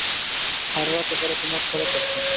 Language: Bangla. সারারাতে করা তোমার সেরা প্রশ্ন।